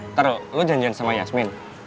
ntar lo janjian sama yasmin